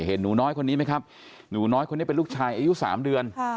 หนูน้อยคนนี้ไหมครับหนูน้อยคนนี้เป็นลูกชายอายุ๓เดือน